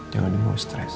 jangan juga stress